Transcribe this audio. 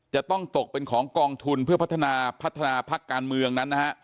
จะต้องตกเป็นของกองทุนเพื่อพัฒนาพัฒนาพักการเมืองนั้นนะฮะ